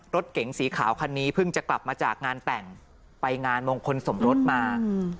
รถเก๋งสีขาวคันนี้เพิ่งจะกลับมาจากงานแต่งไปงานมงคลสมรสมา